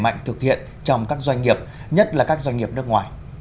để mạnh thực hiện trong các doanh nghiệp nhất là các doanh nghiệp nước ngoài